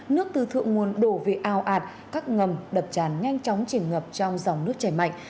nước từ thượng nguồn đổ về ao ạt các ngầm đập tràn nhanh chóng chìm ngập trong dòng nước chảy mạnh